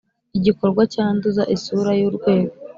Igikorwa cyanduza isura y’urwego